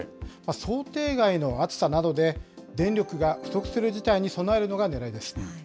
想定外の暑さなどで、電力が不足する事態に備えるのがねらいです。